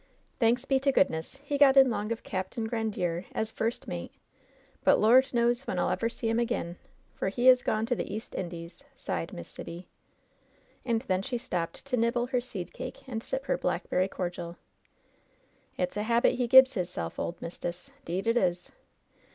Thanks be to goodness, he got in 'long of Capt. Grandiere as first 28 LOVE'S BITTEREST CUP mate ; but Lord knows when FU ever see him ag^in, for he is gone to the East Indies/' sighed Miss Sibby. And then she stopped to nibble her seed cake and sip her blackberry cordial, ^^It's a habit he gibs hisself, ole mist'ess. 'Deed it is.